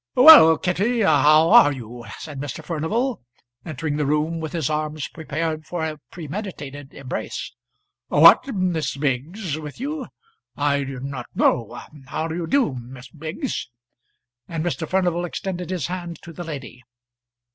"Well, Kitty, how are you?" said Mr. Furnival, entering the room with his arms prepared for a premeditated embrace. "What, Miss Biggs with you? I did not know. How do you do, Miss Biggs?" and Mr. Furnival extended his hand to the lady.